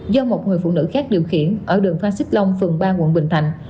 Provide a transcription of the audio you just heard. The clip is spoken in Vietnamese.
do một người phụ nữ khác điều khiển ở đường phan xích long phường ba quận bình thạnh